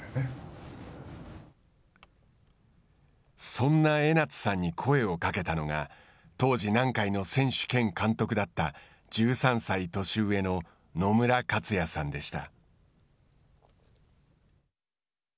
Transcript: そんな江夏さんに声をかけたのが当時、南海の選手兼監督だった１３歳年上の野村克也さんでした。